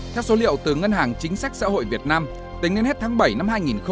theo số liệu từ ngân hàng chính sách xã hội việt nam tính đến hết tháng bảy năm hai nghìn hai mươi